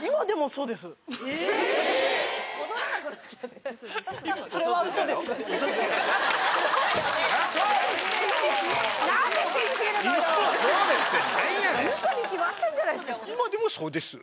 うそに決まってるじゃないですか。